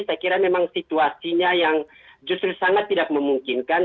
saya kira memang situasinya yang justru sangat tidak memungkinkan